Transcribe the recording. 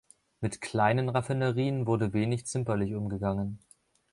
Mit kleinen Raffinerien wurde wenig zimperlich umgegangen.